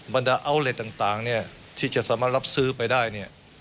บรรดาอัลเล็ตต่างเนี่ยที่จะสามารถรับซื้อไปได้เนี่ย